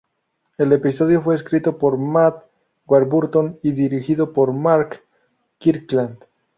El episodio fue escrito por Matt Warburton y dirigido por Mark Kirkland.